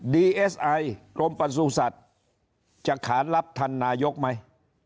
ดีเอสไอร์กรมประสูรสัตว์จะขารับท่านนายกไหม